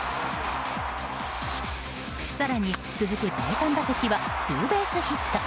更に続く第３打席はツーベースヒット。